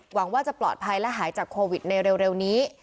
หวังว่าจะปลอดภัยและหายจากโควิดในเร็วนี้